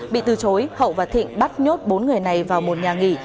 bị từ chối hậu và thịnh bắt nhốt bốn người này vào một nhà nghỉ